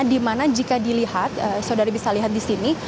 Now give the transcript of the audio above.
di mana jika dilihat saudari bisa lihat di sini